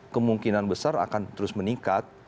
kemungkinan besar akan terus meningkat